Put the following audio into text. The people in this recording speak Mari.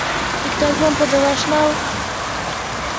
— Иктаж-мом подылаш нал.